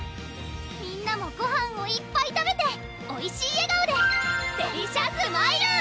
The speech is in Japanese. みんなもごはんをいっぱい食べておいしい笑顔でデリシャスマイル！